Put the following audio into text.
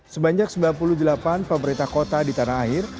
sebanyak sembilan puluh delapan pemerintah kota di tanah air